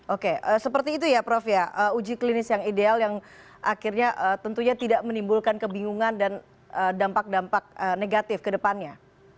oke seperti itu ya prof ya uji klinis yang ideal yang akhirnya tentunya tidak menimbulkan kebingungan dan dampak dampak negatif ke depannya